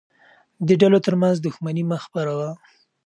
د ډلو ترمنځ دښمني مه خپروه.